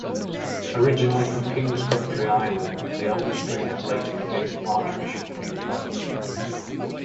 Originally from King's County, Ireland, the elder Stringer later became Archbishop of Yukon.